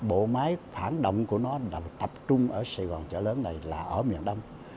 bộ máy phản động của nó là tập trung ở sài gòn chợ lớn này là ở miền đông